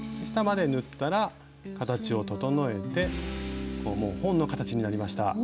下まで縫ったら形を整えてもう本の形になりました。